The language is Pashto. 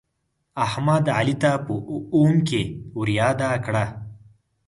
احمد، علي ته په اوم کې ورياده کړه.